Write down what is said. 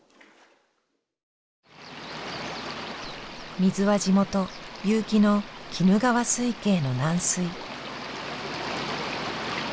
水は地元結城の鬼怒川水系の軟水。